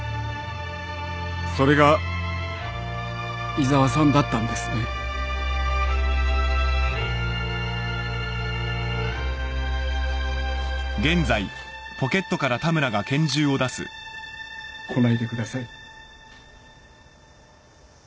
それが井沢さんだったんですね。来ないでください。